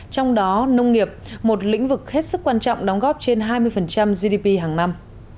trong đó nông nghiệp một lĩnh vực hết sức quan trọng đóng góp trên hai mươi gdp hàng năm